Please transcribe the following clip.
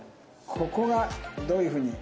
ここがどういうふうに。